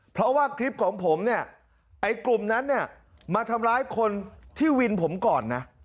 เพราะว่าคลิปของผมเนี่ยไอ้กลุ่มนั้นเนี่ยมาทำร้ายคนที่วินผมก่อนนะ